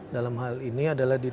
dalam hal ini adalah di jnu